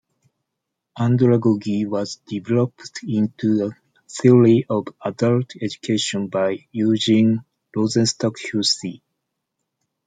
Andragogy was developed into a theory of adult education by Eugen Rosenstock-Huessy.